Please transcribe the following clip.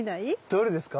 どれですか？